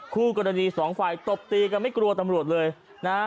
คู่กรณีสองฝ่ายตบตีกันไม่กลัวตำรวจเลยนะฮะ